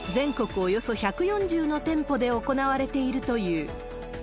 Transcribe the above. およそ１４０の店舗で行われているという。